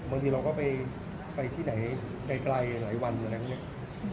บางทีเราก็ไปที่ไหนไกลหลายวันอยู่อะไรอย่างนี้